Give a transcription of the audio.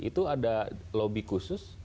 itu ada lobby khusus